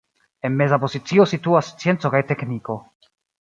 En meza pozicio situas scienco kaj tekniko.